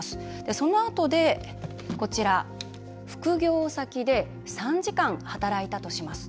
そのあとで、こちら副業先で３時間、働いたとします。